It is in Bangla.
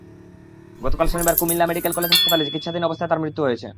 গতকাল শনিবার কুমিল্লা মেডিকেল কলেজ হাসপাতালে চিকিৎসাধীন অবস্থায় তাঁর মৃত্যু হয়েছে।